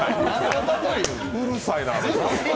うるさいなぁ。